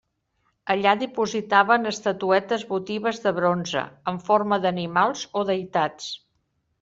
Allà dipositaven estatuetes votives de bronze, en forma d'animals o deïtats.